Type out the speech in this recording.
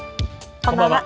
こんばんは。